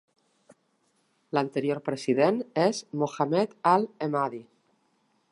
L'anterior President és Mohammed Al Emadi.